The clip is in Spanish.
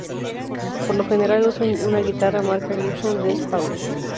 Por lo general usa una guitarra marca Gibson Les Paul.